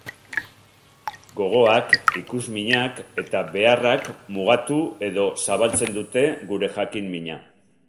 Gogoak, ikusminak eta beharrak mugatu edo zabaltzen dute gure jakin-mina.